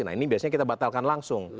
nah ini biasanya kita batalkan langsung